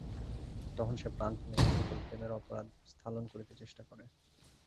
তখন সে প্রাণপণে এই-সকল প্রেমের অপরাধ স্খালন করিতে চেষ্টা করে।